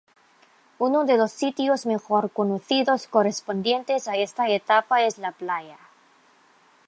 Uno de los sitios mejor conocidos correspondientes a esta etapa es La Playa.